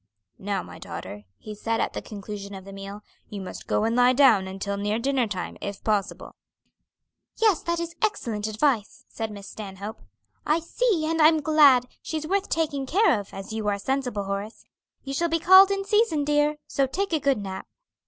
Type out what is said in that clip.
"Now my daughter," he said, at the conclusion of the meal, "you must go and lie down until near dinner time, if possible." "Yes, that is excellent advice," said Miss Stanhope. "I see, and I'm glad, she's worth taking care of, as you are sensible, Horace. You shall be called in season, dear. So take a good nap."